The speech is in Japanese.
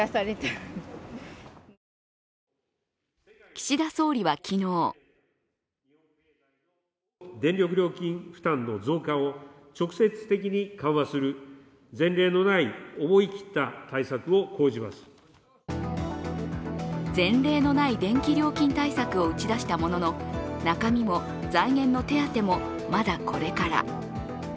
岸田総理は昨日前例のない電気料金対策を打ち出したものの中身も財源の手当ても、まだこれから。